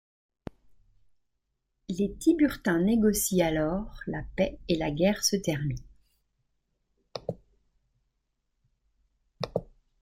Les Tiburtins négocient alors la paix et la guerre se termine.